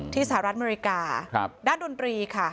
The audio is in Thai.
สหรัฐอเมริกาด้านดนตรีค่ะ